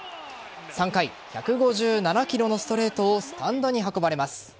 ３回、１５７キロのストレートをスタンドに運ばれます。